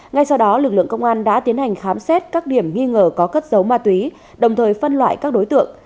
ngay sau đó lực lượng công an đã tiến hành khám xét các điểm nghi ngờ có cất dấu ma túy đồng thời phân loại các đối tượng